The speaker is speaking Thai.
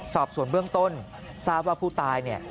สอบส่วนเบื้องต้นทราบว่าผู้ตายเนี่ย